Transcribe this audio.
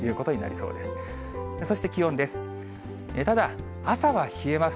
そして気温です。